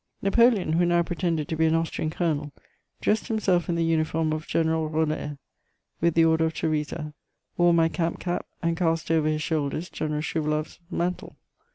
"Napoleon, who now pretended to be an Austrian colonel, dressed himself in the uniform of General Roller, with the Order of Theresa, wore my camp cap, and cast over his shoulders General Schouwaloff's mantle.